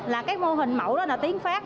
là cái mô hình mẫu đó là tiến pháp